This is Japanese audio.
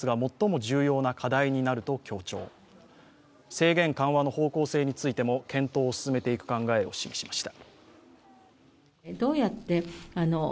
制限緩和の方向性についても検討を進めていく考えを示しました。